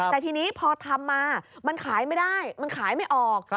แต่ทีนี้พอทำมามันขายไม่ได้มันขายไม่ออก